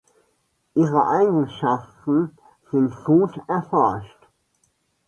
Ihre Eigenschaften sind gut erforscht.